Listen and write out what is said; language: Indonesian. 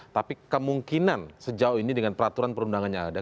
tapi kemungkinan sejauh ini dengan peraturan perundangannya ada